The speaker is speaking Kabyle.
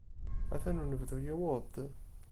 Atan unebdu yewweḍ-d.